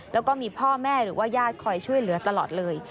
แล้วก็มีพ่อแม่หรือว่าญาติคอยช่วยเหลือตลอดเลย